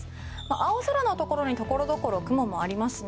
青空のところにところどころ雲もありますね。